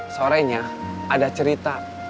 sorenya ada cerita